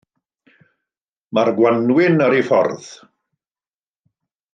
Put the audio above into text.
Mae'r gwanwyn ar ei ffordd.